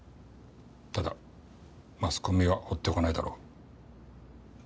ただマスコミは放っておかないだろう。